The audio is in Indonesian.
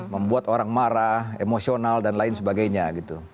membuat orang marah emosional dan lain sebagainya gitu